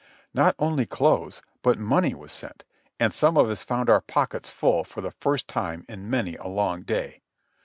Not only clothes, but money was sent; and some of us found our pockets full for the first time in many a long day.